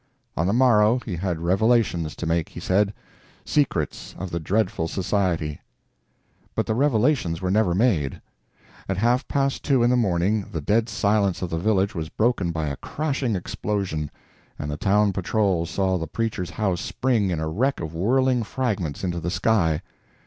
On the morrow he had revelations to make, he said—secrets of the dreadful society. But the revelations were never made. At half past two in the morning the dead silence of the village was broken by a crashing explosion, and the town patrol saw the preacher's house spring in a wreck of whirling fragments into the sky.